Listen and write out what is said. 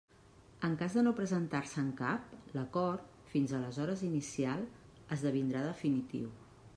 En cas de no presentar-se'n cap, l'acord, fins aleshores inicial, esdevindrà definitiu.